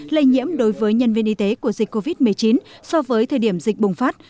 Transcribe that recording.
lây nhiễm đối với nhân viên y tế của dịch covid một mươi chín so với thời điểm dịch bùng phát